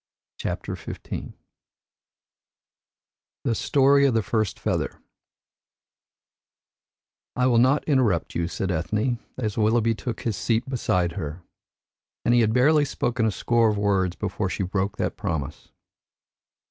CHAPTER XV THE STORY OF THE FIRST FEATHER "I will not interrupt you," said Ethne, as Willoughby took his seat beside her, and he had barely spoken a score of words before she broke that promise.